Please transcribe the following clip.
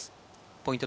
ポイント